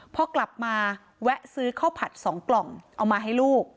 พอกลับมาแวะซื้อข้าวผัด๒กล่องเอามาให้ลูก